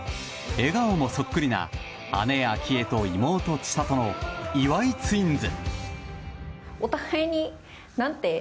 笑顔もそっくりな、姉・明愛と妹・千怜の岩井ツインズ。